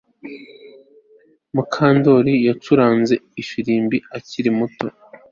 Mukandoli yacuranze ifirimbi akiri muto